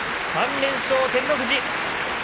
３連勝照ノ富士。